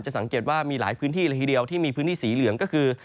สังเกตว่ามีหลายพื้นที่ละทีเดียวที่มีพื้นที่สีเหลืองก็คือ